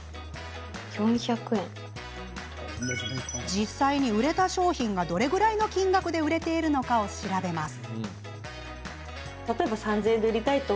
実際に売れた商品がどれくらいの金額で売れたのか調べます。